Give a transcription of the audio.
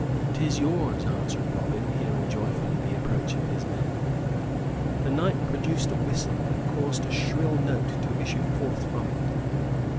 "'Tis yours," answered Robin, hearing joyfully the approach of his men. The knight produced a whistle and caused a shrill note to issue forth from it.